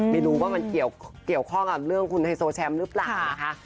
ไม่รู้ว่ามันเกี่ยวข้องกับเรื่องคุณไฮโซแชมป์หรือเปล่านะคะ